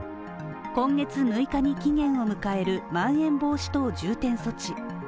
今月６日に期限を迎えるまん延防止等重点措置。